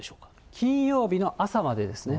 金曜日の朝までですね。